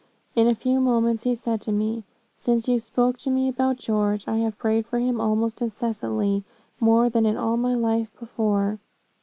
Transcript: In a few moments he said to me, 'Since you spoke to me about George, I have prayed for him almost incessantly more than in all my life before.'